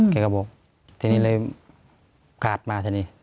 แกก็บอกทีนี้เลยขาดมาทีนี้